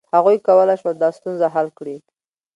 هغوی کولای شول دا ستونزه حل کړي.